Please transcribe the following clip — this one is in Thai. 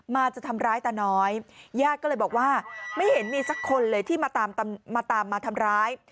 จะทำร้ายตาน้อยญาติก็เลยบอกว่าไม่เห็นมีสักคนเลยที่มาตามมาทำร้าย